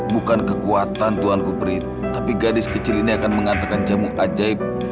tidak kekuatan tuanku pri tapi gadis kecil ini akan mengantarkan jamur ajaib